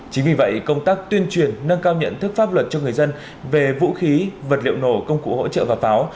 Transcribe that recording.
chính vì vậy công tác tuyên truyền nâng cao nhận thức pháp luật cho người dân về vũ khí vật liệu nổ công cụ hỗ trợ và pháo